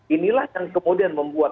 inilah yang kemudian membuat